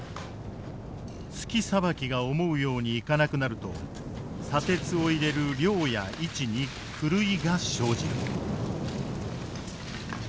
鋤さばきが思うようにいかなくなると砂鉄を入れる量や位置に狂いが生じる。